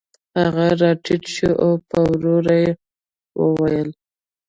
هغه راټیټ شو او په ورو یې وویل